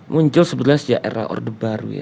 muncul sebelah sejarah orde baru